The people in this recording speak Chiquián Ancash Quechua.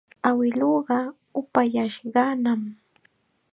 Awiluuqa upayashqanam.